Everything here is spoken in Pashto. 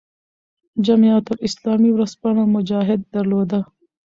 جمعیت اسلامي ورځپاڼه "مجاهد" درلوده.